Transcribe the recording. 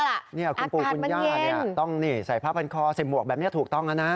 อากาศมันเย็นคุณปู่คุณย่าเนี่ยต้องใส่ผ้าพันคอเสียบหมวกแบบนี้ถูกต้องนะนะ